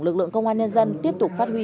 lực lượng công an nhân dân tiếp tục phát huy